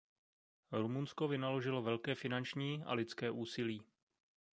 Rumunsko vynaložilo velké finanční a lidské úsilí.